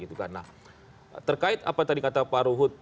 terkait apa tadi kata pak ruhut